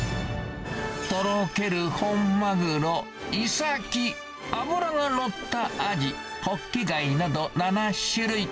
とろける本マグロ、イサキ、脂が乗ったアジ、ホッキ貝など７種類。